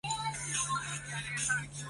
精彩且钜细靡遗的分享